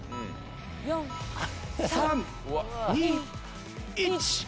４３２１。